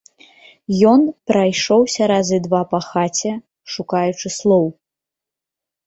Ён прайшоўся разы два па хаце, шукаючы слоў.